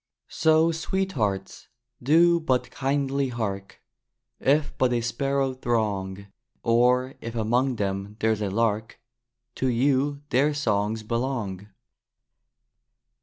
So, Sweethearts, do but kindly hark! If but a sparrow throng, Or if among them there's a lark, To you their songs belong!